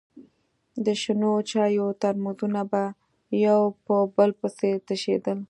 د شنو چايو ترموزونه به يو په بل پسې تشېدل.